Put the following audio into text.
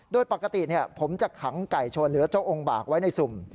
โดยปกติผมจะขังไก่ชนเหลือเจ้าองค์บากไว้ในสุ่ม